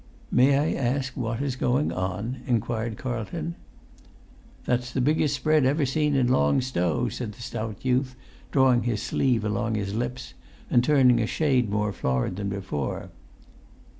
"May I ask what is going on?" inquired Carlton. "That's the biggest spread ever seen in Long Stow," said the stout youth, drawing his sleeve along his lips and turning a shade more florid than before.